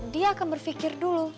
dia akan berpikir dulu